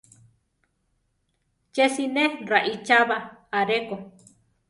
Ché siné raichába aréko.